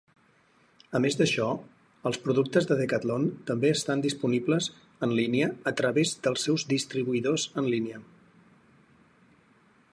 A més d'això, els productes de Decathlon també estan disponibles en línia a través dels seus distribuïdors en línia.